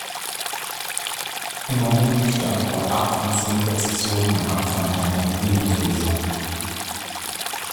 Immerhin stand bei acht von zehn Rezessionen am Anfang eine Immobilienkrise.